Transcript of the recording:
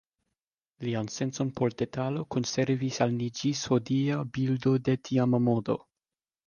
Lian sencon por detalo konservis al ni ĝis hodiaŭ bildo de tiama modo.